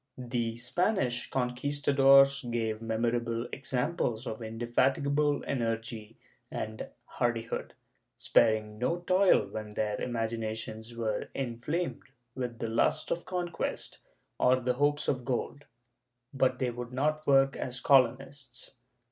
The Spanish Conquistadores gave memorable examples of inde fatigable energy and hardihood, sparing no toil when their imagi nations were inflamed with the lust of conquest or the hopes of gold, but they would not work as colonists.